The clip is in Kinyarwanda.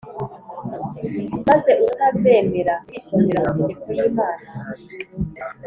Maze utazemera kwitondera amategeko y Imana